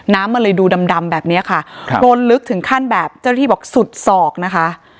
น้ำมันเลยดูดำดำแบบนี้ค่ะครับโครนลึกถึงขั้นแบบเจ้าหน้าที่บอกสุดศอกนะคะ